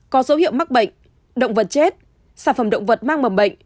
có dấu hiệu mắc bệnh động vật chết sản phẩm động vật mang mầm bệnh